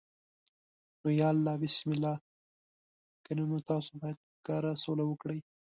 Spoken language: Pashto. نو یا الله بسم الله، کنه نو تاسو باید په ښکاره سوله وکړئ.